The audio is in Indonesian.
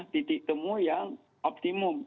titik temu yang optimum